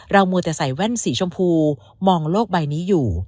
มัวแต่ใส่แว่นสีชมพูมองโลกใบนี้อยู่